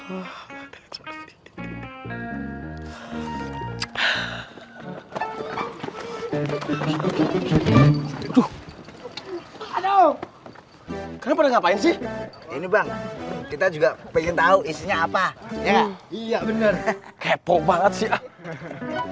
aduh aduh kenapa ngapain sih ini bang kita juga pengen tahu isinya apa ya iya bener kepo banget sih